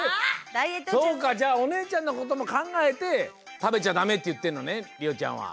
そうかじゃあおねえちゃんのこともかんがえてたべちゃダメっていってるのねりおちゃんは。